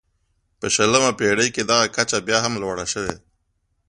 په شلمې پېړۍ کې دغه کچه بیا هم لوړه شوه.